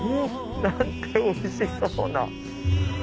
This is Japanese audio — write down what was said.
何ておいしそうな！